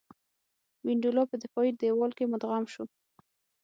وینډولا په دفاعي دېوال کې مدغم شو.